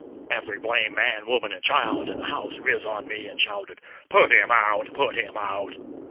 "_ Every blame man, woman and child in the house riz on me, and shouted, "Put him out! put him out!"